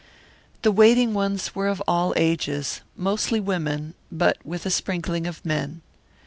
The waiting ones were of all ages; mostly women, with but a sprinkling of men.